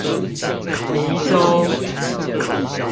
迷蹤